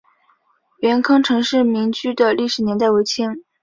元坑陈氏民居的历史年代为清。